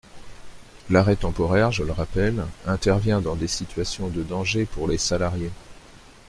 L’arrêt temporaire, je le rappelle, intervient dans des situations de danger pour les salariés.